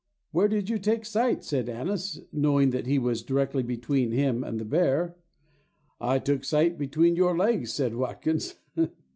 Where did you take sight? said Annis, knowing that he was directly between him and the bear; I took sight between your legs, said Watkins."